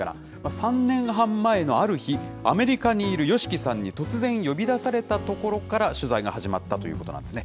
３年半前のある日、アメリカにいるＹＯＳＨＩＫＩさんに突然呼び出されたところから、取材が始まったということなんですね。